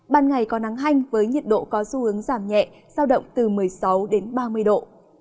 ban ngày có nắng hanh với nhiệt độ có xu hướng giảm nhẹ giao động từ một mươi sáu đến ba mươi độ